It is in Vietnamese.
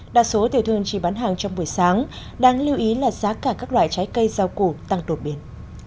đa số tiểu thương chỉ bán hàng trong buổi sáng đáng lưu ý là giá cả các loại trái cây rau củ tăng đột biến